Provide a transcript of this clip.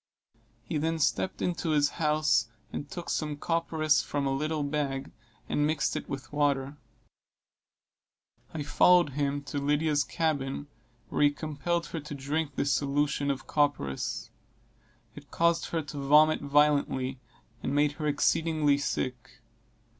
He then stepped into his house and took some copperas from a little bag, and mixed it with water. I followed him to Lydia's cabin, where he compelled her to drink this solution of copperas. It caused her to vomit violently, and made her exceedingly sick.